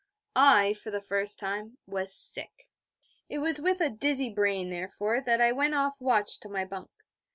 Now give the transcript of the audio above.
I, for the first time, was sick. It was with a dizzy brain, therefore, that I went off watch to my bunk.